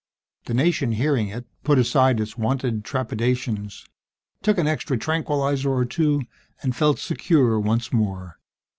The nation, hearing it, put aside its wonted trepidations, took an extra tranquilizer or two, and felt secure once more.